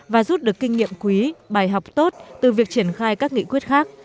và rút được kinh nghiệm quý bài học tốt từ việc triển khai các nghị quyết khác